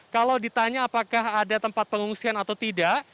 kalau ditanya apakah ada tempat pengungsian atau tidak